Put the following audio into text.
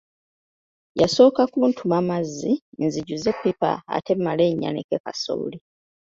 Yasooka kuntuma mazzi nzijuze eppipa ate mmale nnyanike kasooli.